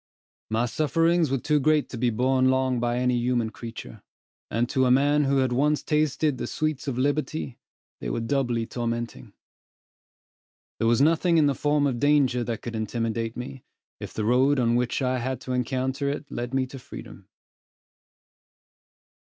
My sufferings were too great to be borne long by any human creature; and to a man who had once tasted the sweets of liberty, they were doubly tormenting. There was nothing in the form of danger that could intimidate me, if the road on which I had to encounter it led me to freedom.